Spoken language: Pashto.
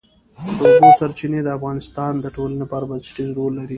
د اوبو سرچینې د افغانستان د ټولنې لپاره بنسټيز رول لري.